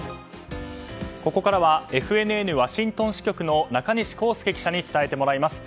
ここからはＦＮＮワシントン支局の中西孝介記者に伝えてもらいます。